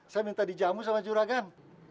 saya minta dijamu sama curagan